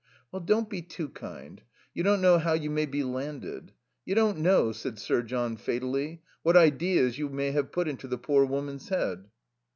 "Well, don't be too kind. You don't know how you may be landed. You don't know," said Sir John fatally, "what ideas you may have put into the poor woman's head."